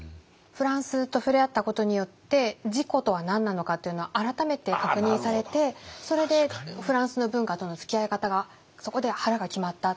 フランスと触れ合ったことによって自己とは何なのかっていうのを改めて確認されてそれでフランスの文化とのつきあい方がそこで腹が決まった。